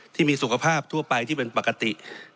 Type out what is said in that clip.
ที่มีสุขภาพทั่วไปที่เป็นปกติ